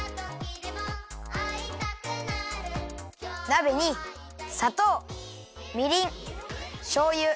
なべにさとうみりんしょうゆ